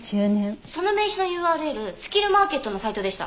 その名刺のＵＲＬスキルマーケットのサイトでした。